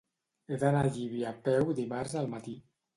He d'anar a Llívia a peu dimarts al matí.